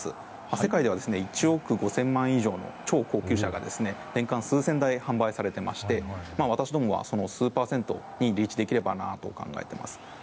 世界では１億５０００万円以上の超高級車が年間数千台販売されていて私どもは数％にリーチできればなと思っています。